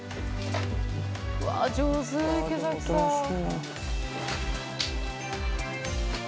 うわ上手池崎さん。